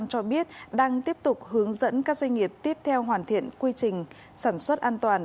cho biết đang tiếp tục hướng dẫn các doanh nghiệp tiếp theo hoàn thiện quy trình sản xuất an toàn